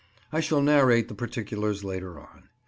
I shall narrate the particulars later on.